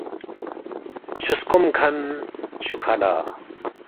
چھوسکوم کھن چھوکھہ لا